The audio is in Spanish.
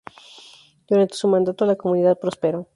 Durante su mandato la comunidad prosperó.